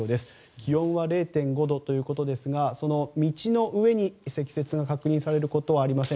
気温は０．５度ということですが道の上に積雪が確認されることはありません。